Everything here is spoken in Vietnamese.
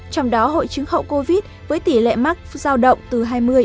trong đó hội chứng hậu covid với tỷ lệ mắc giao động từ hai mươi chín mươi sáu